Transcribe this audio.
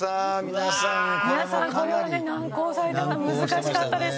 皆さんこれはね難航されてた難しかったですね。